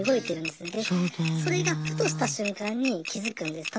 でそれがふとした瞬間に気付くんです。